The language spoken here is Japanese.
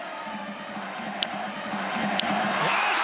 よし！